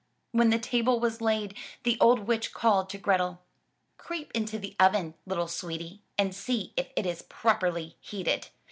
When the table was laid, the old witch called to Grethel. "Creep into the oven, little sweetie, and see if it is properly heated.